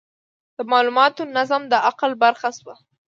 د مالوماتو نظم د عقل برخه شوه.